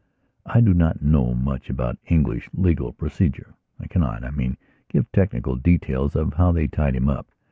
I do not know much about English legal procedureI cannot, I mean, give technical details of how they tied him up.